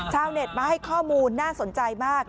ชาวเน็ตมาให้ข้อมูลน่าสนใจมาก